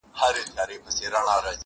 ويل گورئ دې د لاپو پهلوان ته؛